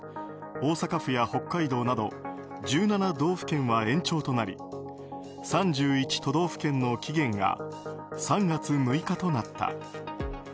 大阪府や北海道など１７道府県は延長となり３１都道府県の期限が３月６日となった。